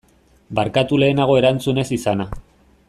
Barkatu lehenago erantzun ez izana.